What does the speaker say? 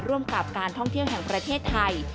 ร่วมกับการท่องเที่ยวแห่งประเทศไทย